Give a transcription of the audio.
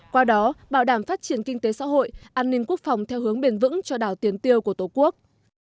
qua đó bảo đảm phát triển kinh tế xã hội an ninh quốc phòng theo hướng bền vững cho đảo tiền tiêu của tổ quốc